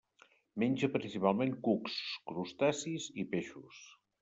Menja principalment cucs, crustacis i peixos.